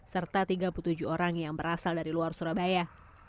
serta tiga puluh tujuh orang yang berasal dari luar surabaya